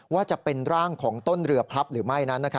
ว่าจะเป็นร่างของต้นเรือพลับหรือไม่นั้น